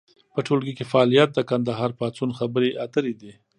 په ټولګي کې فعالیت د کندهار پاڅون خبرې اترې دي.